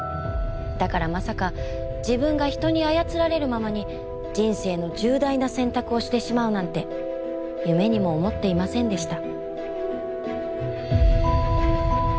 だからまさか自分が人に操られるままに人生の重大な選択をしてしまうなんて夢にも思っていませんでした。